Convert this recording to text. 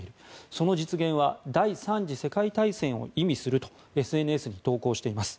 その実現は第３次世界大戦を意味するとＳＮＳに投稿しています。